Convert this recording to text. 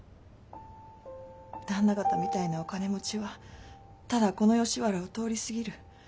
旦那方みたいなお金持ちはただこの吉原を通り過ぎる。